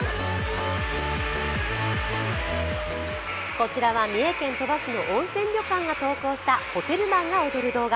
こちらは三重県鳥羽市の温泉旅館が投稿したホテルマンが踊る動画。